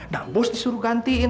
dan bos disuruh gantiin